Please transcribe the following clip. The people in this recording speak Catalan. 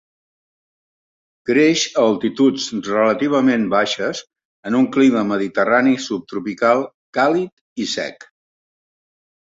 Creix a altituds relativament baixes en un clima mediterrani subtropical càlid i sec.